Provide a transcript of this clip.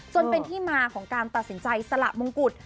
จนเป็นที่มาของการตัดสินใจสละมงกุฎ